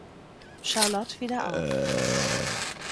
Charlotte wieder auf.